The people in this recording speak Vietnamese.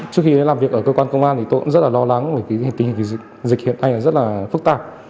trước khi làm việc ở cơ quan công an thì tôi cũng rất là lo lắng vì tình hình dịch hiện nay rất là phức tạp